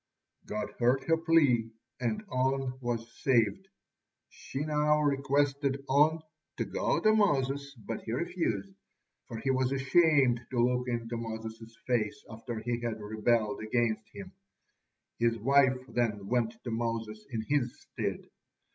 God heard her plea, and On was saved. She now requested On to go to Moses, but he refused, for he was ashamed to look into Moses' face after he had rebelled against him. His wife then went to Moses in his stead.